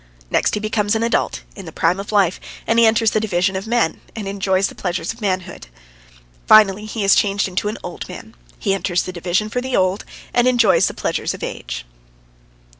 Next he becomes an adult, in the prime of life, and he enters the division of men, and enjoys the pleasures of manhood. Finally, he is changed into an old man. He enters the division for the old, and enjoys the pleasures of age.